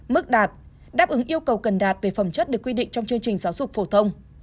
mức đạt đáp ứng yêu cầu cần đạt về phẩm chất được quy định trong chương trình giáo dục phổ thông